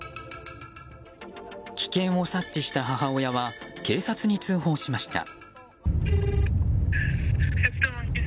危険を察知した母親は警察に通報しました。